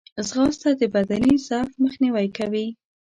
ځغاسته د بدني ضعف مخنیوی کوي